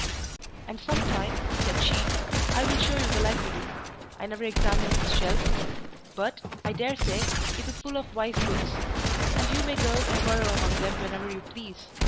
"And some time," said she, "I will show you the library: I never examined its shelves, but, I daresay, it is full of wise books; and you may go and burrow among them whenever you please.